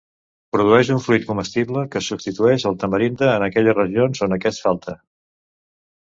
Produeix un fruit comestible que substitueix al tamarinde en aquelles regions on aquest falta.